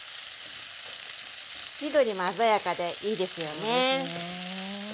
緑も鮮やかでいいですよね。